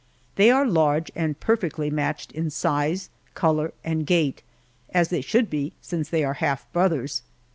They are large, and perfectly matched in size, color, and gait, as they should be, since they are half brothers.